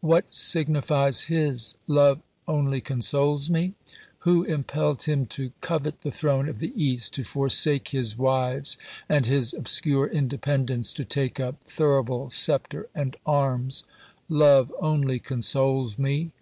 What signifies his : Love only consoles me ? Who impelled him to covet the throne of the East, to forsake his wives and his obscure independence, to take up thurible, sceptre and arms ? Love only consoles me